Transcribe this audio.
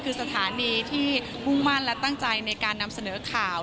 คือสถานีที่มุ่งมั่นและตั้งใจในการนำเสนอข่าว